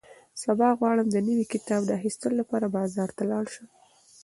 سبا غواړم د نوي کتاب د اخیستلو لپاره بازار ته لاړ شم.